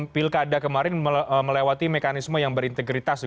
pilkada kemarin melewati mekanisme yang berintegritas